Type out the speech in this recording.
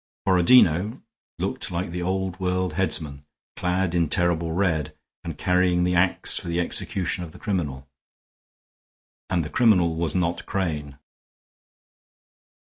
Borodino looked like the Old World headsman, clad in terrible red, and carrying the ax for the execution of the criminal. And the criminal was not Crane.